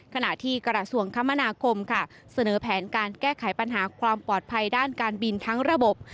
ขณะที่กระทรวงคมนาคมค่ะเสนอแผนการแก้ไขปัญหาความปลอดภัยด้านการบินทั้งระบบ